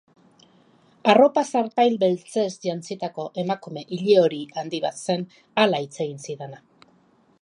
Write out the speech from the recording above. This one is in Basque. Arropa zarpail beltzez jantzitako emakume ilehori handi bat zen hala hitz egin zidana.